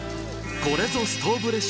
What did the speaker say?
これぞストーブ